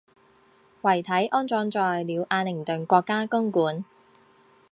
遗体安葬在了阿灵顿国家公墓